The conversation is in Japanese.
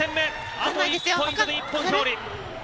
あと１ポイントで日本、勝利。